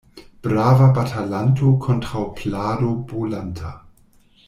Brava batalanto kontraŭ plado bolanta.